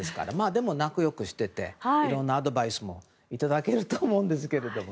でも、仲良くしていていろんなアドバイスもいただけると思うんですけど。